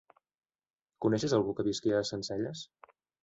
Coneixes algú que visqui a Sencelles?